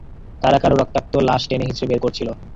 তারা কারো রক্তাক্ত লাশ টেনে-হিচড়ে বের করছিল।